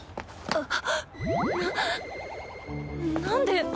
あっ。